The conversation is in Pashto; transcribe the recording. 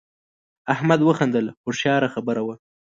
احمد وخندل هوښیاره خبره وه.